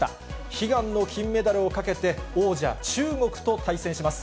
悲願の金メダルをかけて、王者、中国と対戦します。